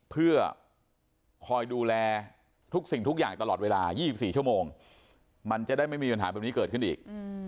เพื่อคอยดูแลทุกสิ่งทุกอย่างตลอดเวลา๒๔ชั่วโมงมันจะได้ไม่มีปัญหาแบบนี้เกิดขึ้นอีก